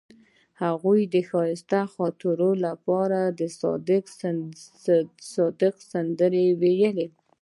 هغې د ښایسته خاطرو لپاره د صادق ستوري سندره ویله.